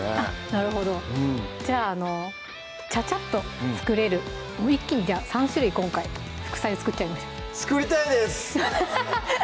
なるほどじゃあチャチャっと作れる一気にじゃあ３種類今回副菜を作っちゃいましょう作りたいです！